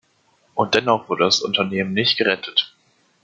Und dennoch wurde das Unternehmen nicht gerettet.